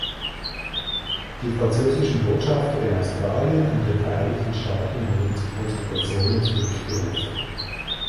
Die französischen Botschafter in Australien und den Vereinigten Staaten wurden zu Konsultationen zurückgerufen.